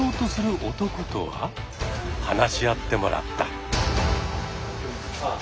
話し合ってもらった。